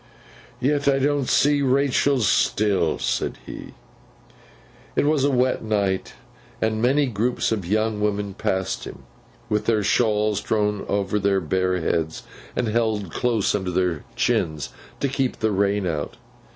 'Yet I don't see Rachael, still!' said he. It was a wet night, and many groups of young women passed him, with their shawls drawn over their bare heads and held close under their chins to keep the rain out.